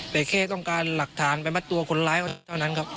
แต่แค่ต้องการหลักฐานไปมัดตัวคนร้ายเท่านั้นครับ